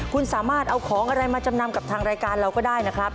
คุณสามารถเอาของอะไรมาจำนำกับทางรายการเราก็ได้นะครับ